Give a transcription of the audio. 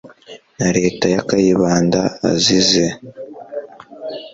na leta ya kayibanda azize